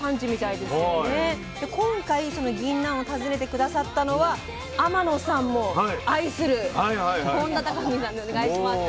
で今回そのぎんなんを訪ねて下さったのは天野さんも愛する本田剛文さんです。